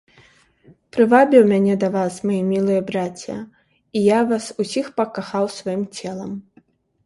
Прывабіў мяне да вас, маі мілыя брація, і я вас усіх пакахаў сваім целам.